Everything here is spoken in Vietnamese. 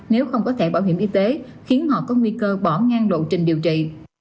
nếu không có thẻ bảo hiểm y tế khiến họ có nguy cơ bỏ ngang lộ trình điều trị